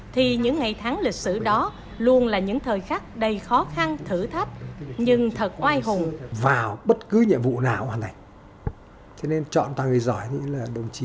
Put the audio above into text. thì những ngày thắng lịch sử đó luôn là những thời khắc đầy khó khăn thử thách nhưng thật oai hùng